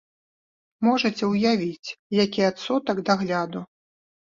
Можаце ўявіць, які адсотак дагляду!